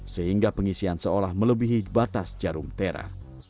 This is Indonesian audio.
sehingga pengisian seolah melebihi batas jarum tera